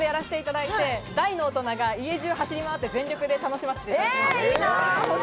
大の大人が家中走り回って、全力で楽しみました。